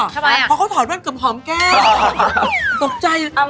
ทำไมอ่ะเพราะเขาถอดมันกลับหอมแก้วตกใจเลย